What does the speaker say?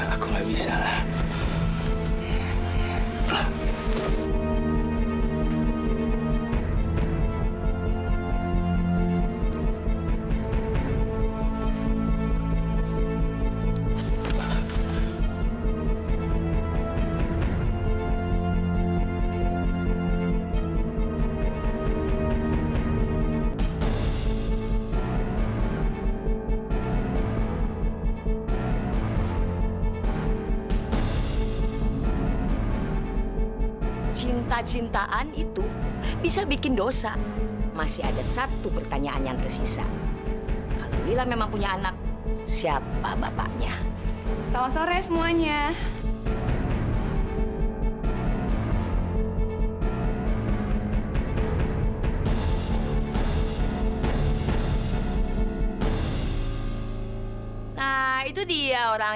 aku ingin dia sebagai anak hatinya sendiri